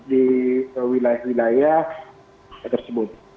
di wilayah wilayah tersebut